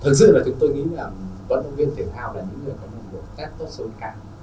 thật sự là chúng tôi nghĩ là vận động viên thiệt hào là những người có nguồn nguồn test tốt sâu cao